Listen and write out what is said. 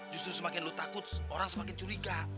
justru semakin lo takut orang semakin curiga